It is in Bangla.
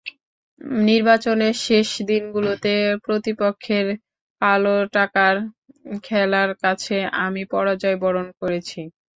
নির্বাচনের শেষ দিনগুলোতে প্রতিপক্ষের কালোটাকার খেলার কাছে আমি পরাজয় বরণ করেছি।